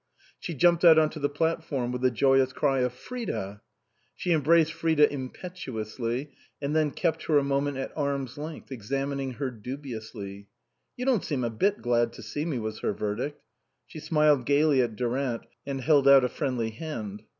She jumped out on to the platform with a joyous cry of " Fridah !" She embraced " Fridah " impetu ously, and then kept her a moment at arm's length, examining her dubiously. " You don't seem a bit glad to see me," was her verdict. She smiled gaily at Durant, and held out a friendly hand.